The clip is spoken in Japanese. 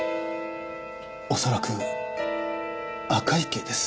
恐らく赤池です。